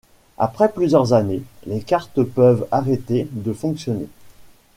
Après plusieurs années, les cartes peuvent arrêter de fonctionner.